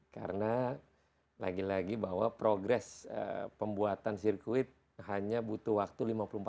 karena lagi lagi bahwa progress pembuatan sirkuit hanya butuh waktu lima puluh empat hari